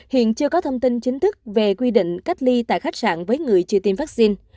hiện chưa có thông tin chính thức về quy định cách ly tại khách sạn với người chưa tiêm vaccine